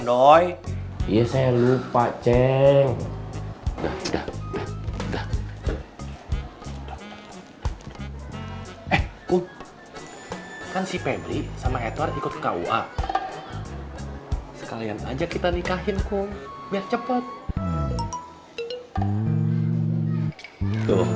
doi iya saya lupa ceng udah udah udah udah eh kum kan si pebri sama edward ikut ke aua sekalian aja kita nikahin kum biar cepet tuh liat